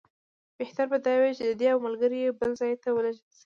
بهتره به دا وي چې دی او ملګري یې بل ځای ته ولېږل شي.